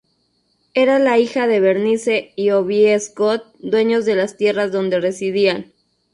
Era la hija de Bernice y Obie Scott, dueños de las tierras donde residían.